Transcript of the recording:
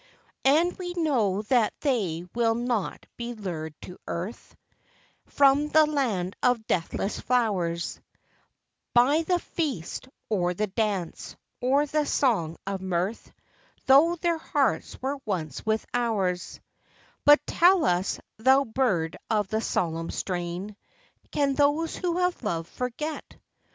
And we know that they will not be lured to earth From the land of deathless flowers, By the feast, or the dance, or the song of mirth, Though their hearts were once with ours ; But tell us, thou bird of the solemn strain! Can those who have loved forget